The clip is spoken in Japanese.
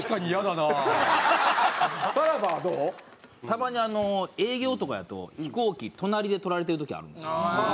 たまに営業とかやと飛行機隣で取られてる時あるんですよ。